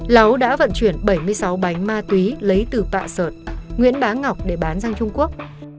láu đã vận chuyển bảy mươi sáu bánh ma túy lấy từ pạ sợt nguyễn bá ngọc để bán sang trung quốc